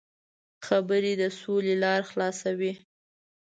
خبرې د سولې لاره خلاصوي.